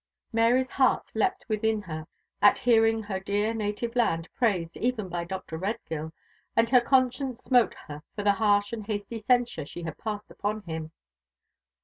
Mary's heart leapt within her at hearing her dear native land praised even by Dr. Redgill, and her conscience smote her for the harsh and hasty censure she had passed upon him.